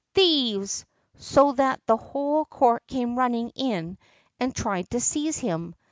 thieves!" so that the whole court came running in and tried to seize on him.